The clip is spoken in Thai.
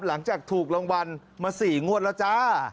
หลังจากถูกรางวัลมา๔งวดแล้วจ้า